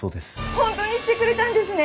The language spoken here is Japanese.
本当に来てくれたんですね！